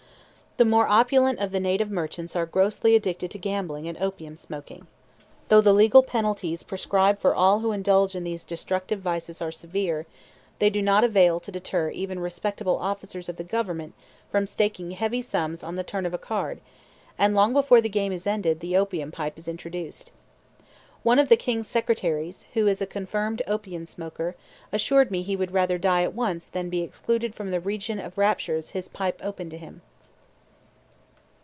The more opulent of the native merchants are grossly addicted to gambling and opium smoking. Though the legal penalties prescribed for all who indulge in these destructive vices are severe, they do not avail to deter even respectable officers of the government from staking heavy sums on the turn of a card; and long before the game is ended the opium pipe is introduced. One of the king's secretaries, who was a confirmed opium smoker, assured me he would rather die at once than be excluded from the region of raptures his pipe opened to him.